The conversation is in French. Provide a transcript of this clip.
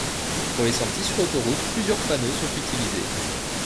Pour les sorties sur autoroute, plusieurs panneaux sont utilisés.